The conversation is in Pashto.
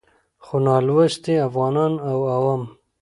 خو نالوستي افغانان او عوام